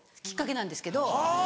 きっかけなんですけど。